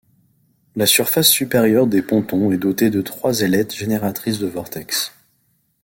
La surface supérieure des pontons est dotée de trois ailettes génératrices de vortex.